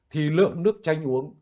thì lượng nước chanh uống